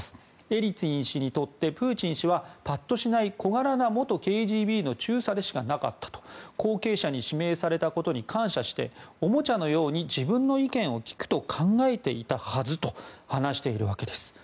エリツィン氏にとってプーチン氏はパッとしない小柄な元ＫＧＢの中佐でしかなかったと後継者に指名されたことに感謝して、おもちゃのように自分の意見を聞くと考えていたはずと話しているわけです。